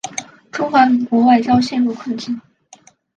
中华民国外交陷入困境。